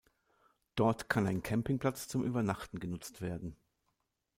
Dort kann ein Campingplatz zum Übernachten genutzt werden.